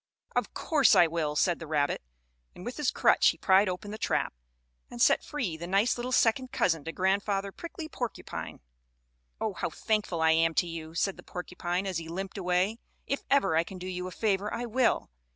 "Of course I will," said the rabbit, and with his crutch he pried open the trap, and set free the nice little second cousin to Grandfather Prickly Porcupine. "Oh, how thankful I am to you," said the porcupine, as he limped away. "If ever I can do you a favor I will."